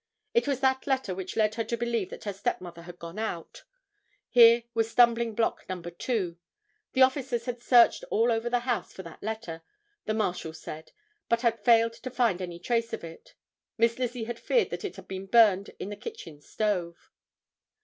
It was that letter which led her to believe that her stepmother had gone out. Here was stumbling block number two. The officers had searched all over the house for that letter, the Marshal said, but had failed to find any trace of it. Miss Lizzie had feared that it had been burned in the kitchen stove.